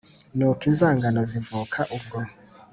Nuko inzangano zivuka ubwo